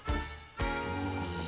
うん。